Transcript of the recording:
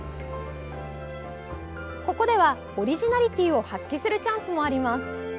ここではオリジナリティーを発揮するチャンスもあります。